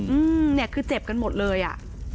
อืมเนี่ยคือเจ็บกันหมดเลยอ่ะ